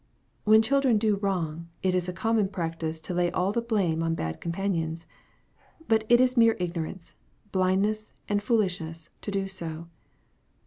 When children do wrong, it is a common practice to lay all the blame on bad companions. But it is mere ignorance, blindness, and foolishness to do so.